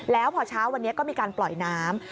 แล้วพอเช้าวันนี้ก็มีการปล่อยน้ำ